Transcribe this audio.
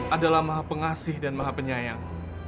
adalah maha pengasih dan maha penyayang